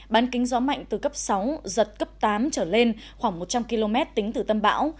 bán kính gió mạnh từ cấp sáu giật cấp tám trở lên khoảng một trăm linh km tính từ tâm bão